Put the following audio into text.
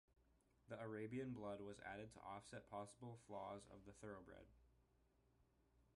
The Arabian blood was added to offset possible flaws of the Thoroughbred.